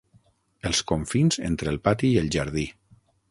Els confins entre el pati i el jardí.